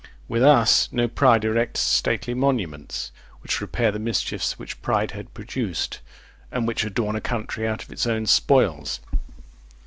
With us no pride erects stately monuments which repair the mischiefs which pride had produced, and which adorn a country out of its own spoils.